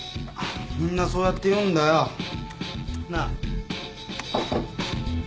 みんなそうやって言うんだなあ？